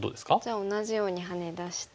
同じようにハネ出して。